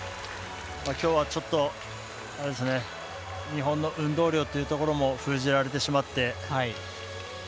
きょうは、ちょっと日本の運動量というところが封じられてしまって。